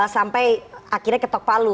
sampai akhirnya ketok palu